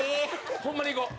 ホンマにいこう。